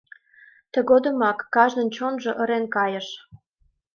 Тыгодымак кажнын чонжо ырен кайыш.